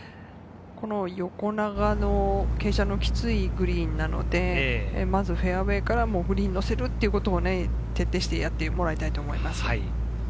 横長の傾斜のきついグリーンなので、まずフェアウエーからグリーンに乗せることを徹底してやってもらいたいと思います。